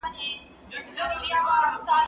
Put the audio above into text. زه پرون لوبه وکړه!